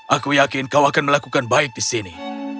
aku yakin kau akan melakukan baik di sini